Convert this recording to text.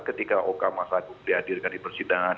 ketika okamah sagung dihadirkan di persidangan